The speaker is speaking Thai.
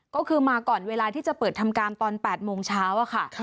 ก็คือมาก่อนเวลาที่จะเปิดทำการตอน๘โมงเช้าค่ะ